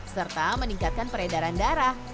serta meningkatkan peredaran darah